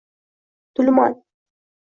Tulman.